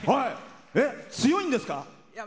強いんですか？